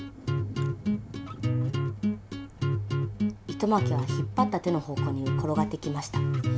糸まきは引っぱった手の方向に転がってきました。